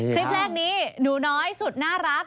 คลิปแรกนี้หนูน้อยสุดน่ารัก